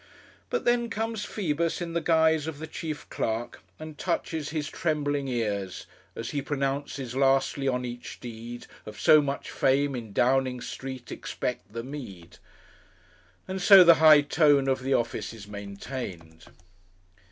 But then comes Phoebus in the guise of the chief clerk, and touches his trembling ears As he pronounces lastly on each deed, Of so much fame, in Downing Street expect the meed. And so the high tone of the office is maintained.